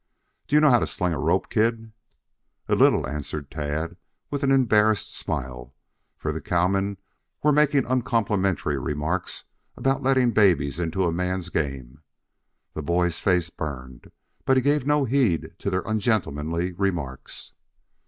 "Do you know how to sling a rope, kid?" "A little," answered Tad, with an embarrassed smile, for the cowmen were making uncomplimentary remarks about letting babies into a man's game. The boy's face burned, but he gave no heed to their ungentlemanly remarks.